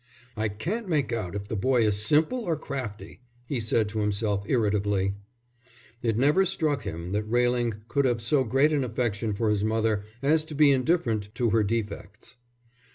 "I can't make out if the boy is simple or crafty," he said to himself irritably. It never struck him that Railing could have so great an affection for his mother as to be indifferent to her defects.